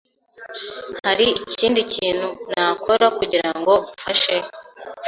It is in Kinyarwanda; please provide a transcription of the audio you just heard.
Hari ikindi kintu nakora kugirango mfashe?